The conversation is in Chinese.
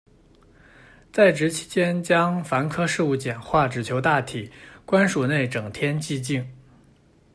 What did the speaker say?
在职期间将烦苛事务简化，只求大体，官署内整天寂静。